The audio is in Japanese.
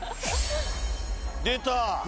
出た！